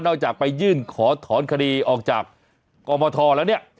จากไปยื่นขอถอนคดีออกจากกรมทแล้วเนี่ย